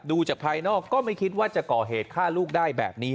จากภายนอกก็ไม่คิดว่าจะก่อเหตุฆ่าลูกได้แบบนี้